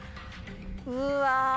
うわ。